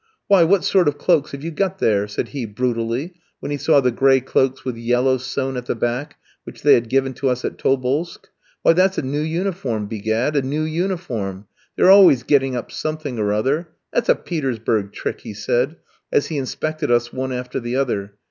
Why, what sort of cloaks have you got there?" said he brutally, when he saw the gray cloaks with yellow sewn at the back which they had given to us at Tobolsk. "Why, that's a new uniform, begad a new uniform! They're always getting up something or other. That's a Petersburg trick," he said, as he inspected us one after the other.